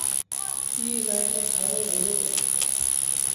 ايٚ الآئيڪو ٿر رو هُݩدو۔